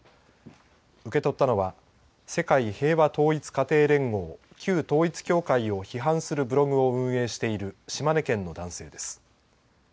受け取ったのは世界平和統一家庭連合旧統一教会を批判するブログを運営している島根県の男性です。